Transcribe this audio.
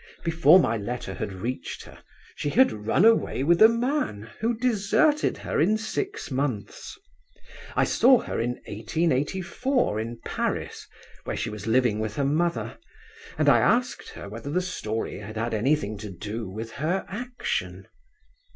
Before my letter had reached her, she had run away with a man who deserted her in six months. I saw her in 1884 in Paris, where she was living with her mother, and I asked her whether the story had had anything to do with her action.